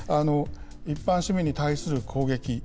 一般市民に対する攻撃。